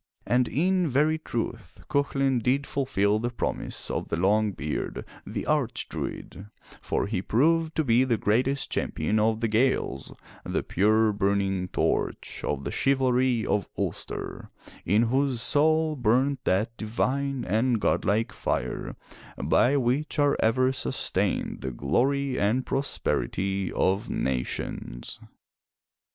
And in very truth Cuchulain did fulfill the promise of the long beard, the Arch druid, for he proved to be the greatest champion of the Gaels, the pure burning torch of the chivalry of Ulster, in whose soul burnt that divine and godlike fire by which are ever sustained the glory and prosperity of nations.